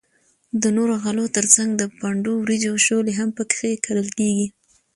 د نورو غلو تر څنگ د پنډو وریجو شولې هم پکښی کرل کیږي.